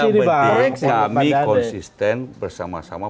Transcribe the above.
yang penting kami konsisten bersama sama